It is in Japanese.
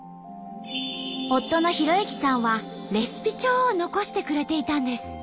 夫の弘之さんはレシピ帳を残してくれていたんです。